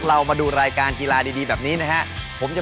เรามาดูรายการกีฬาดีแบบนี้นะครับ